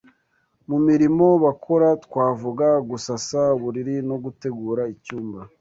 Mu mirimo bakora twavuga: gusasa uburiri no gutegura icyumba